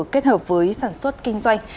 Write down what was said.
kết hợp với sản xuất kinh doanh